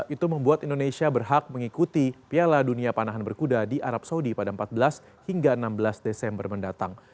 itu membuat indonesia berhak mengikuti piala dunia panahan berkuda di arab saudi pada empat belas hingga enam belas desember mendatang